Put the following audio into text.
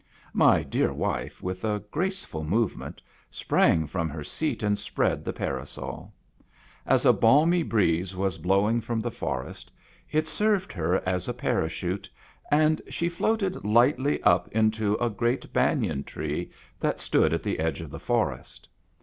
My dear wife, with a graceful movement, sprang from her seat and spread the parasol. As a balmy breeze was blowing from the forest, it served her as a parachute, and she floated lightly up into a great "banyan tree that stood at the edge of the forest.